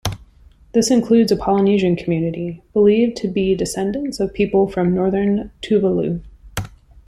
This includes a Polynesian community, believed to be descendants of people from northern Tuvalu.